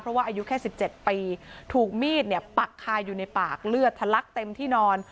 เพราะว่าอายุแค่๑๗ปีถูกมีดเนี่ยปักคาอยู่ในปากเลือดทะลักเต็มที่นอน